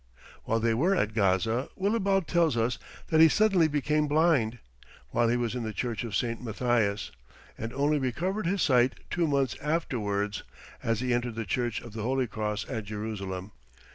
While they were at Gaza, Willibald tells us that he suddenly became blind, while he was in the church of St. Matthias, and only recovered his sight two months afterwards, as he entered the church of the Holy Cross at Jerusalem.